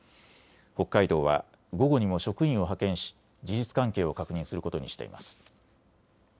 北海道は午後にも職員を派遣し事実関係を確認することにしています。